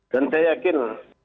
dan saya yakin